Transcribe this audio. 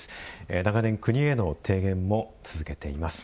長年、国への提言も続けています。